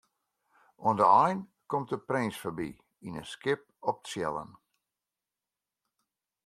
Oan de ein komt de prins foarby yn in skip op tsjillen.